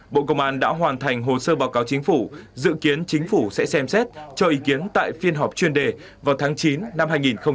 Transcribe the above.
bộ công an đã hoàn thành hồ sơ báo cáo chính phủ dự kiến chính phủ sẽ xem xét cho ý kiến tại phiên họp chuyên đề vào tháng chín năm hai nghìn hai mươi